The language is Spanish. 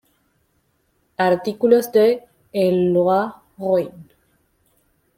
Artículos de Eloy Roy